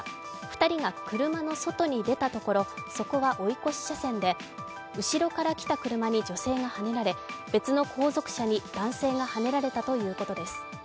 ２人が車の外に出たところ、そこは追い越し車線で後ろから来た車に女性がはねられ、別の後続車に男性がはねられたということです。